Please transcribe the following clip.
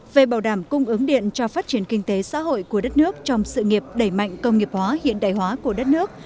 về bảo đảm cung ứng điện cho phát triển kinh tế xã hội của đất nước trong sự nghiệp đẩy mạnh công nghiệp hóa hiện đại hóa của đất nước